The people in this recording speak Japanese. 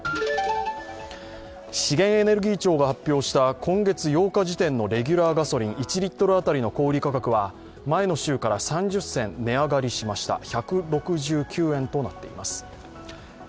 資源エネルギー庁が発表した湖月８日時点のレギュラーガソリン１リットル当たりの小売価格は前の週から３０銭値上がりしました１６９円となっています。